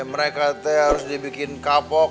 mereka harus dibikin kapok